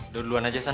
lo duluan aja sana